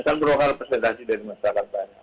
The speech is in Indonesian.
kan merupakan representasi dari masyarakat banyak